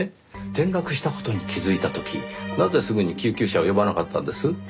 転落した事に気づいた時なぜすぐに救急車を呼ばなかったんです？